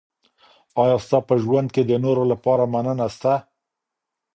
ایا ستا په ژوند کي د نورو لپاره مننه سته؟